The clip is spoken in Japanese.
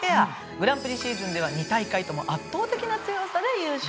グランプリシーズンでは２大会とも圧倒的な強さで優勝。